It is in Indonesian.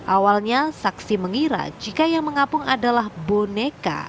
awalnya saksi mengira jika yang mengapung adalah boneka